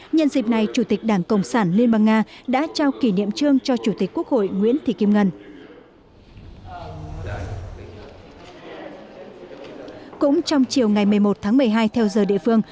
nhân dịp này chủ tịch đảng cộng sản liên bang nga đã trao kỷ niệm trương cho chủ tịch quốc hội nguyễn thị kim ngân